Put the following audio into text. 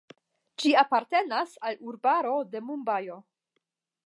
Ĝi apartenas al urbaro de Mumbajo.